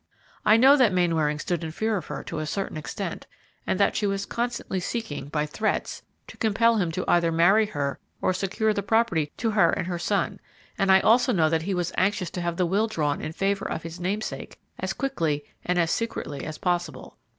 I know that Mainwaring stood in fear of her to a certain extent, and that she was constantly seeking, by threats, to compel him to either marry her or secure the property to her and her son and I also know that he was anxious to have the will drawn in favor of his namesake as quickly and as secretly as possible.